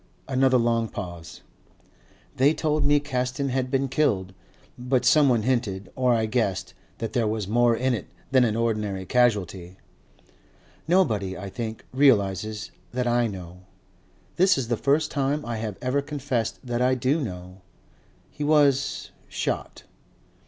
Another long pause. "They told me Caston had been killed. But someone hinted or I guessed that there was more in it than an ordinary casualty. "Nobody, I think, realizes that I know. This is the first time I have ever confessed that I do know. He was shot.